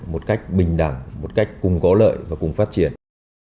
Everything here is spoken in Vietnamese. một cách bình đẳng một cách cùng có lợi và cùng phát triển